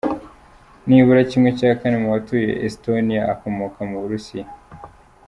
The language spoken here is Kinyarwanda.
Nibura ¼ mu batuye Estoniya akomoka mu Burusiya.